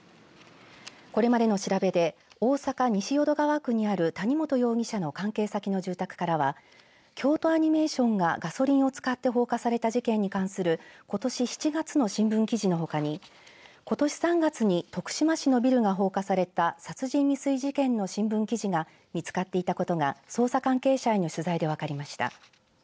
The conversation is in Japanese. これまでの調べで大阪、西淀川区にある谷本容疑者の関係先の住宅からは京都アニメーションがガソリンを使って放火された事件に関することし７月の新聞記事のほかにことし３月に徳島市のビルが放火された殺人未遂事件の新聞記事が見つかっていたことが捜査関係者への取材で分かりました。